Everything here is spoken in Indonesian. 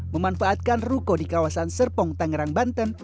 memanfaatkan ruko di kawasan serpong tangerang banten